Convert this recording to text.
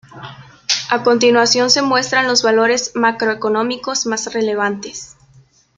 A continuación se muestran los valores macro-económicos más relevantes.